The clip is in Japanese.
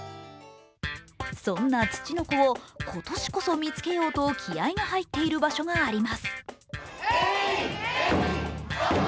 そんなツチノコを今年こそ見つけようと気合いが入っている場所があります。